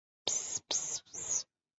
尚书瞿景淳之次子。